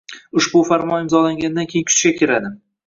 Ushbu Farmon imzolangandan keyin kuchga kiradi